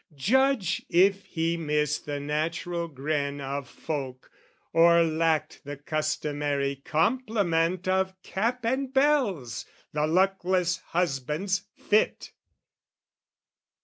Judge if he missed the natural grin of folk, Or lacked the customary compliment Of cap and bells, the luckless husband's fit!